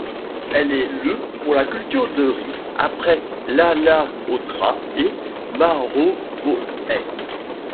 Elle est le pour la culture de riz après l'Alaotra et Marovoay.